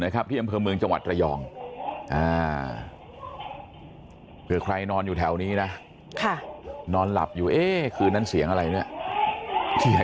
ใครนอนอยู่แถวนี้นะค่ะนอนหลับอยู่เอ๊ะคือนั่นเสียงอะไรเนี่ย